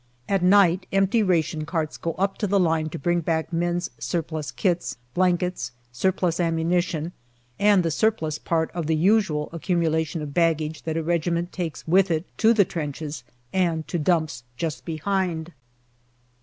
At night, empty ration carts go up to the line to bring back men's surplus kits, blankets, surplus ammunition, and the surplus part of the usual accumulation of baggage that a regiment takes with it to the trenches and to dumps just behind.